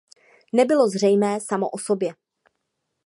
Nebylo zřemé samo o sobě.